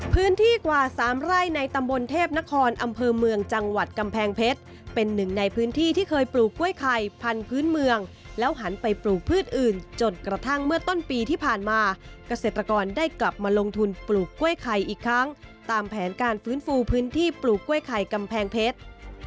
พื้นที่กว่า๓ไร่ในตำบลเทพนครอำเภอเมืองจังหวัดกำแพงเพชรเป็นหนึ่งในพื้นที่ที่เคยปลูกกล้วยไข่พันธุ์เมืองแล้วหันไปปลูกพืชอื่นจนกระทั่งเมื่อต้นปีที่ผ่านมาเกษตรกรได้กลับมาลงทุนปลูกกล้วยไข่อีกครั้งตามแผนการฟื้นฟูพื้นที่ปลูกกล้วยไข่กำแพงเพชร